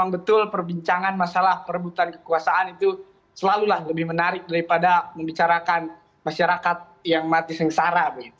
betul perbincangan masalah perebutan kekuasaan itu selalulah lebih menarik daripada membicarakan masyarakat yang mati sengsara